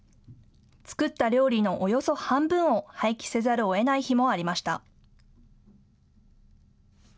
作った料理のおよそ半分を廃棄せざるをえない日もありました。